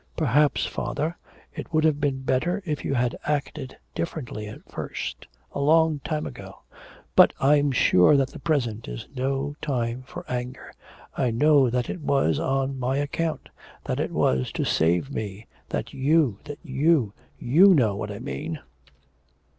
'Perhaps, father, it would have been better if you had acted differently at first, a long time ago. But I'm sure that the present is no time for anger. I know that it was on my account, that it was to save me, that you that you you know what I mean.'